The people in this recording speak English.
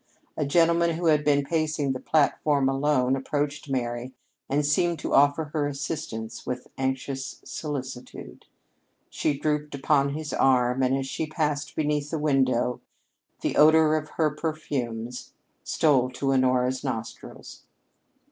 A gentleman who had been pacing the platform alone approached Mary and seemed to offer her assistance with anxious solicitude. She drooped upon his arm, and as she passed beneath the window the odor of her perfumes stole to Honora's nostrils.